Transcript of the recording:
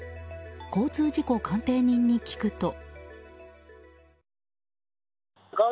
交通事故鑑定人に聞くと。